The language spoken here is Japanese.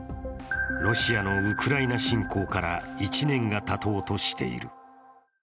ロシアのウクライナ侵攻から１年がたとうとしている。